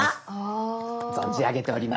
存じ上げております。